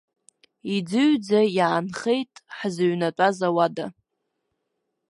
Иӡыҩӡа иаанхеит ҳзыҩнатәаз ауада.